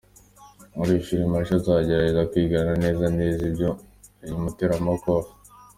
Muri iyi filime Usher azagerageza kwigana neza neza ibyo uyu muteramakofe.